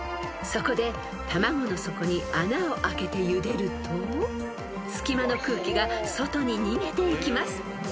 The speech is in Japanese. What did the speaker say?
［そこで卵の底に穴を開けてゆでると隙間の空気が外に逃げていきます］